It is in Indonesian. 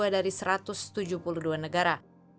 dari satu ratus tujuh puluh dua negara